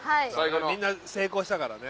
みんな成功したからね。